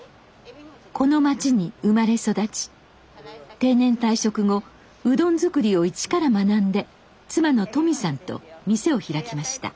この町に生まれ育ち定年退職後うどん作りを一から学んで妻の斗実さんと店を開きました。